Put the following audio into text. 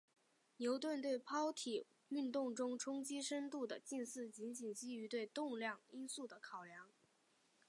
牛顿对抛体运动中冲击深度的近似仅仅基于对动量因素的考量。